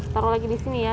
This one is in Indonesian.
taruh lagi disini ya